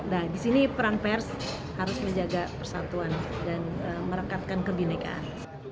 nah di sini peran pers harus menjaga persatuan dan merekatkan kebinekaan